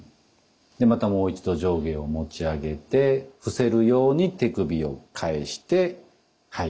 でまたもう一度上下を持ち上げて伏せるように手首を返してはい。